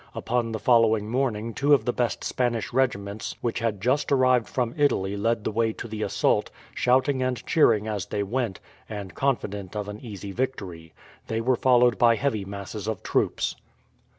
Upon the following morning two of the best Spanish regiments which had just arrived from Italy led the way to the assault, shouting and cheering as they went, and confident of an easy victory. They were followed by heavy masses of troops.